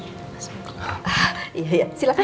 iya iya silahkan silahkan